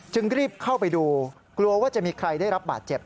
รีบเข้าไปดูกลัวว่าจะมีใครได้รับบาดเจ็บ